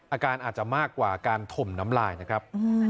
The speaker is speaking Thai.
อาการอาจจะมากกว่าการถมน้ำลายนะครับ